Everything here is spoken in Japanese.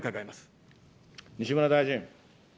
西村大臣。